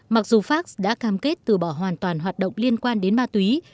mặc dù pháp đã cam kết từ bỏ hoàn toàn hoạt động liên quan đến ma túy